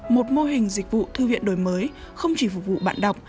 một mô hình dịch vụ thư viện đổi mới không chỉ phục vụ bạn đọc